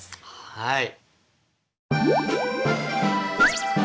はい。